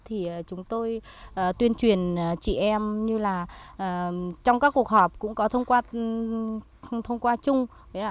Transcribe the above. thì chúng tôi tuyên truyền chị em như là trong các cuộc họp cũng có thông qua chung